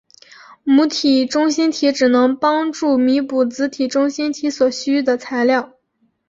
母体中心体只能帮助弥补子体中心体所需的材料。